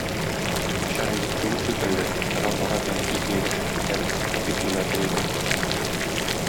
Начар егет түгел шикелле, тора-бара, бәлки, ияләшеп китәрбез, дип уйлады Ләйлә.